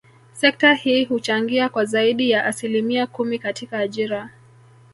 Sekta hii huchangia kwa zaidi ya asilimia kumi katika ajira